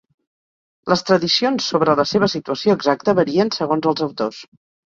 Les tradicions sobre la seva situació exacta varien segons els autors.